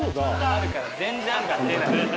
あるから全然あるから。